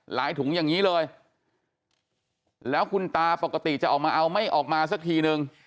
ถุงอย่างนี้เลยแล้วคุณตาปกติจะออกมาเอาไม่ออกมาสักทีนึง